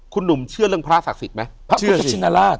คุณหนุ่มเชื่อเรื่องพระศักดิ์สิทธิ์ไหม